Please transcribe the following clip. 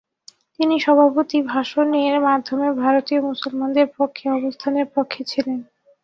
তিনি সভাপতি ভাষণের মাধ্যমে ভারতীয় মুসলমানদের পক্ষে অবস্থানের পক্ষে ছিলেন।